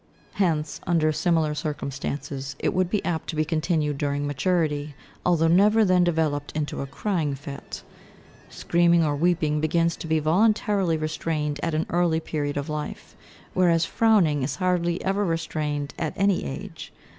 Hence under similar circumstances it would be apt to be continued during maturity, although never then developed into a crying fit. Screaming or weeping begins to be voluntarily restrained at an early period of life, whereas frowning is hardly ever restrained at any age.